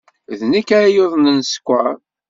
D nekk ay yuḍnen sskeṛ.